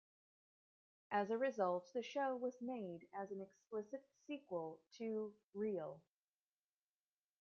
As a result, the show was made as an explicit sequel to "Real".